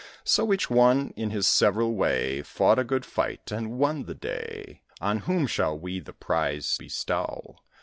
So each one, in his several way, Fought a good fight, and won the day. On whom shall we the prize bestow?